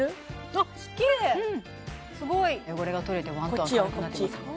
あっキレイすごい汚れが取れてワントーン明るくなってます